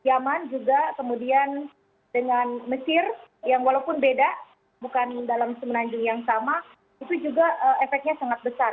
yemen juga kemudian dengan mesir yang walaupun beda bukan dalam semenanjung yang sama itu juga efeknya sangat besar